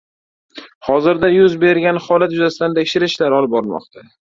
Hozirda yuz bergan holat yuzasidan tekshirish ishlari olib borilmoqda.